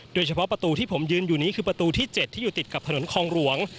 โดยเฉพาะประตูที่ผมยืนอยู่นี้คือประตูที่๗ที่อยู่ติดกับถนนคลองหลวง